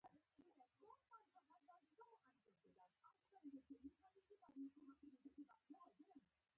ایا خبر یاست کندهار له صفویانو خلاصول شو؟